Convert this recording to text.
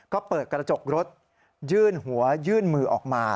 ก็เปิดกระจกรถยื่นหัวยื่นมือออกมา